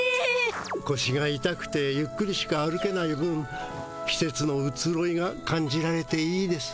こしがいたくてゆっくりしか歩けない分きせつのうつろいが感じられていいですよ。